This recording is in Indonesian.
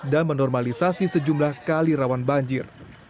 dan menormalisasi sejumlah kali rawan banjir